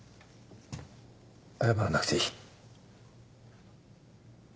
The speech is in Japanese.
謝らなくていい。